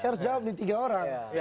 saya harus jawab nih tiga orang